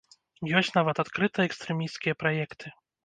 Ёсць нават адкрыта экстрэмісцкія праекты.